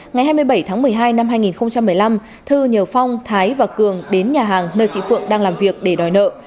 ngày hai mươi bảy tháng một mươi hai năm hai nghìn một mươi năm thư nhờ phong thái và cường đến nhà hàng nơi chị phượng đang làm việc để đòi nợ